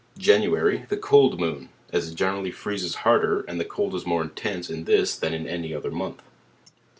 January, the Cold Moon; as it generally freezes harder, and the cold is more intense in this than in any other month.